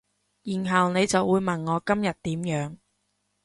然後你就會問我今日點樣